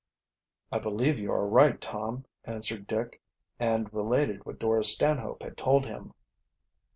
"I believe you are right, Tom," answered Dick, and related what Dora Stanhope had told him.